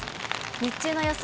日中の予想